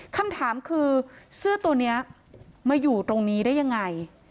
คำถามคือเสื้อตัวนี้มาอยู่ตรงนี้ได้ยังไง